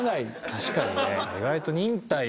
確かにね。